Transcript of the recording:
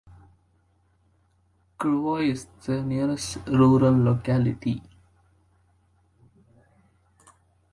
Krivoy is the nearest rural locality.